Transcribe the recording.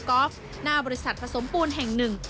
ก็อฟณบริษัทผสมปูลแห่งหนึ่ง